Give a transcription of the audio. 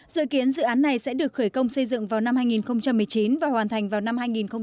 dự kiến dự án này sẽ được khởi công xây dựng vào năm hai nghìn một mươi chín và hoàn thành vào năm hai nghìn hai mươi